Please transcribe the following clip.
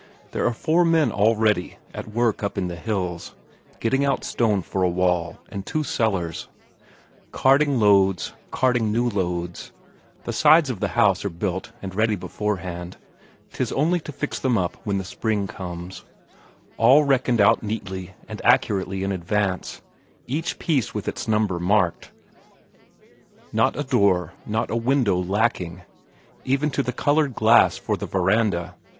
There are four men already at work up in the hills, getting out stone for a wall and two cellars. Carting loads, carting new loads. The sides of the house are built and ready beforehand, 'tis only to fix them up when the spring comes; all reckoned out neatly and accurately in advance, each piece with its number marked, not a door, not a window lacking, even to the coloured glass for the verandah.